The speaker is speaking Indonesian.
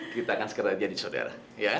kita akan sekedar jadi saudara